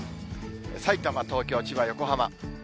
さいたま、東京、千葉、横浜。